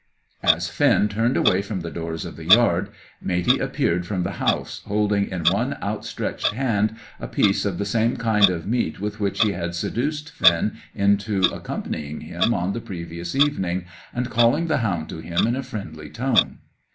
As Finn turned away from the doors of the yard, Matey appeared from the house, holding in one outstretched hand a piece of the same kind of meat with which he had seduced Finn into accompanying him on the previous evening, and calling the hound to him in a friendly tone.